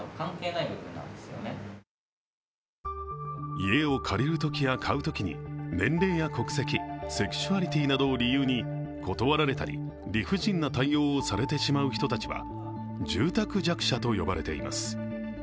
家を借りるときや買うときに年齢や国籍、セクシャリティーなどを理由に断られたり、理不尽な対応をされてしまう人たちは住宅弱者と呼ばれています。